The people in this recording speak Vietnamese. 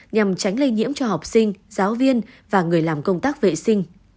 nhằm tránh lây nhiễm cho học sinh giáo viên và người làm công tác vệ sinh